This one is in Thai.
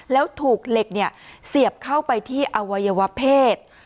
แล้วถูกเหล็กเสียบเข้าไปที่อวัยวะเพศ